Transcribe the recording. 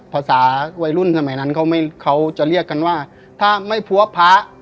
ภาษาวัยรุ่นสมัยนั้นเขาไม่เขาจะเรียกกันว่าถ้าไม่พัวพระ